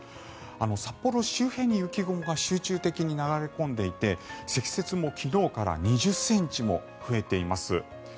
札幌周辺に雪雲が集中的に流れ込んでいて積雪も昨日から２０ｃｍも増えています。